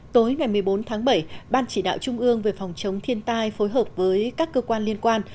tối ngày một mươi bốn tháng bảy ban chỉ đạo trung ương về phòng chống thiên tai phối hợp với các cơ quan liên quan